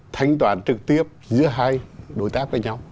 thanh toán trực tiếp giữa hai đối tác với nhau